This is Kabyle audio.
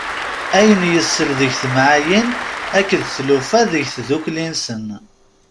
Ayen yessal deg timɛayin akked tlufa deg tddukli-nsen.